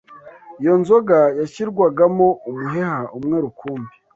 Iyo nzoga yashyirwagamo umuheha umwe rukumbi